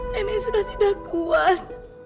nenek sudah tidak kuat